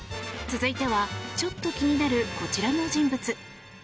続いてはちょっと気になるこちらの人物。